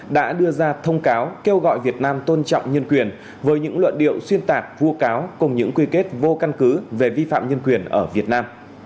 đã đưa ra thông cáo kêu gọi việt nam tôn trọng nhân quyền với những luận điệu xuyên tạc vu cáo cùng những quy kết vô căn cứ về vi phạm nhân quyền ở việt nam